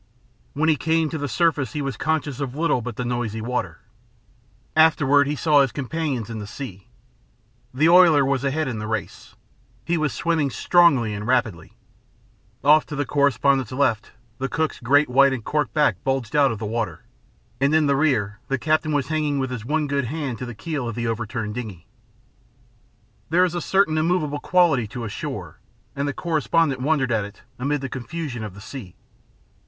When he came to the surface he was conscious of little but the noisy water. Afterward he saw his companions in the sea. The oiler was ahead in the race. He was swimming strongly and rapidly. Off to the correspondent's left, the cook's great white and corked back bulged out of the water, and in the rear the captain was hanging with his one good hand to the keel of the overturned dingey. There is a certain immovable quality to a shore, and the correspondent wondered at it amid the confusion of the sea.